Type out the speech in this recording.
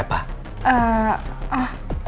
mereka ini bisa selesai deh ya pak